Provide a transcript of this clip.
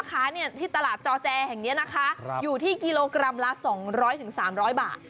ข้าที่ตลาดจอแจแห่งเนี้ยนะคะอยู่ที่กิโลกรัมละสองร้อยถึงสามร้อยบาท